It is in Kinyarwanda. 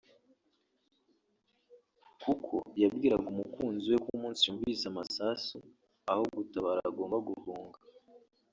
kuko yabwiraga umukunzi we ko umunsi yumvise amasasu aho gutabara agomba guhunga